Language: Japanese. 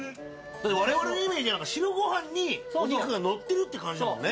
だって我々のイメージ白ご飯にお肉がのってるって感じだもんね。